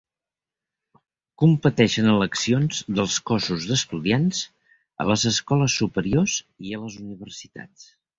Competeix en eleccions dels cossos d'estudiants a les escoles superiors i a les universitats.